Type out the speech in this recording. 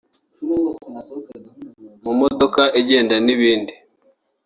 mu modoka igenda n’ibindi